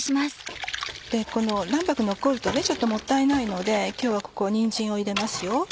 この卵白残るとちょっともったいないので今日はここににんじんを入れますよ。